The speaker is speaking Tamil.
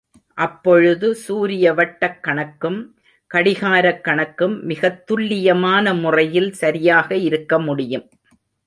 அப்பொழுது, சூரிய வட்டக் கணக்கும், கடிகாரக் கணக்கும் மிகத் துல்லியமான முறையில் சரியாக இருக்க முடியும்.